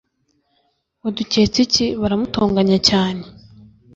waduketse iki baramutonganya cyane